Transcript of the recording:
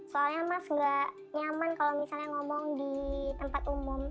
soalnya mas nggak nyaman kalau ngomong di tempat umum